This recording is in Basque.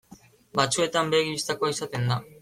Batzuetan begi bistakoa izaten da.